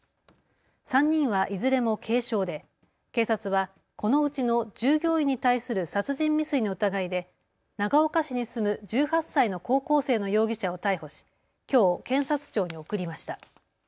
３人はいずれも軽傷で警察はこのうちの従業員に対する殺人未遂の疑いで長岡市に住む１８歳の高校生の容疑者を逮捕しきょう検察庁に送りました。